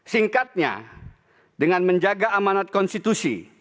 singkatnya dengan menjaga amanat konstitusi